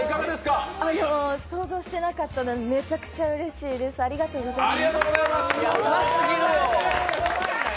想像していなかったのでめちゃくちゃうれしいです、ありがとうございます。